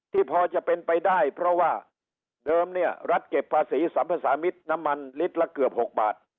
ที่พอจะเป็นไปได้เพราะว่าเดิมเนี่ยรัฐเก็บภาษีสัมภาษามิตรน้ำมันลิตรละเกือบ๖บาท